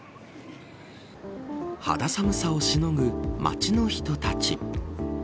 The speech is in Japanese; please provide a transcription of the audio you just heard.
肌寒さをしのぐ街の人たち。